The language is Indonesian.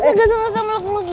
eh gak usah usah melakukan lagi